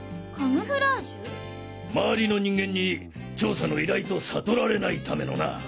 周りの人間に調査の依頼と悟られないためのな。